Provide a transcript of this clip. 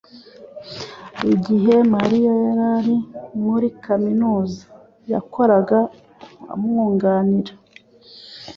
Igihe Mariya yari muri kaminuza, yakoraga umwunganira.